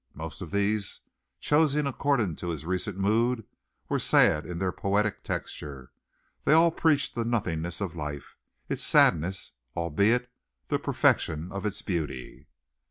Most of these, chosen according to his most recent mood, were sad in their poetic texture; they all preached the nothingness of life, its sadness, albeit the perfection of its beauty.